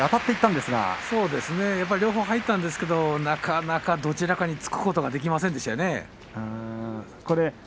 まともに若隆景両方入ったんですけどなかなかどちらかにつくことができませんでしたね。